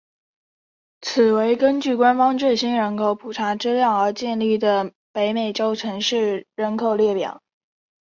此为根据官方最新人口普查资料而建立的北美洲城市人口列表。